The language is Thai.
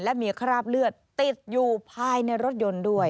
และมีคราบเลือดติดอยู่ภายในรถยนต์ด้วย